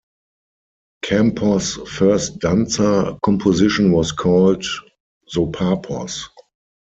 Campos' first danza composition was called "Sopapos".